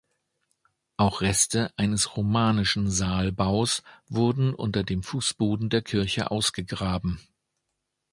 Auch Reste eines romanischen Saalbaus wurden unter dem Fußboden der Kirche ausgegraben.